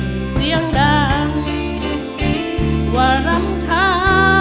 ให้เสียงด่านว่ารำคา